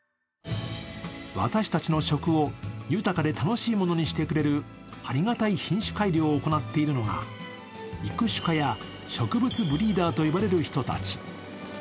私たちの食を豊かで楽しいものにしてくれるありがたい品種改良を行っているのが育種家や植物ブリーダーと呼ばれる人たち。